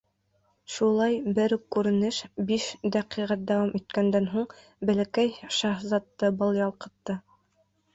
Шулай, бер үк күренеш биш дәҡиғәт дауам иткәндән һуң Бәләкәй шаһзатты был ялҡытты.